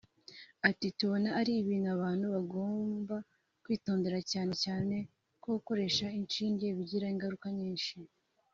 Ati “ Tubona ari ibintu abantu bagomba kwitondera cyane cyane ko gukoresha inshinge bigira ingaruka nyinshi